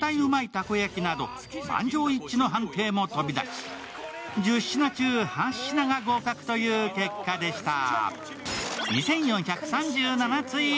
たこ焼など、満場一致の判定も飛び出し、１０品中８品が合格という結果でした